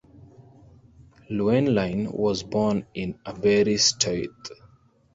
Llewellyn was born in Aberystwyth.